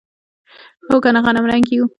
هو کنه غنمرنګي یو.